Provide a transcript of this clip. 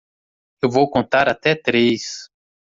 Eu vou contar até três!